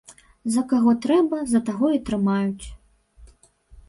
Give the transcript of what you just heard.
За каго трэба, за таго і трымаюць.